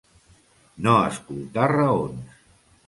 No escoltar raons.